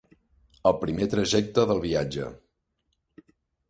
El primer trajecte del viatge.